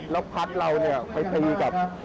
แล้วพัดเราเนี่ยไปตีกับ